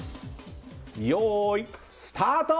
よーい、スタート！